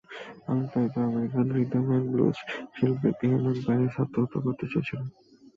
আবেগতাড়িত American rhythm and blues শিল্পী Kehlani Parrish আত্মহত্যা করতে চেয়েছিলেন।